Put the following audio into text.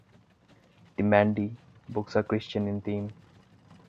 The "Mandie" books are Christian in theme.